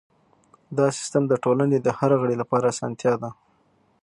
دا سیستم د ټولنې د هر غړي لپاره اسانتیا ده.